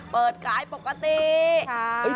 เปิดขายปกติ